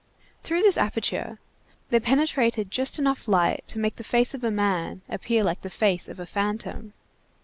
Through this aperture there penetrated just enough light to make the face of a man appear like the face of a phantom.